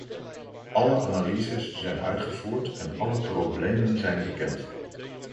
Alle analyses zijn uitgevoerd en alle problemen zijn bekend.